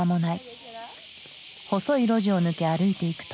細い路地を抜け歩いていくと。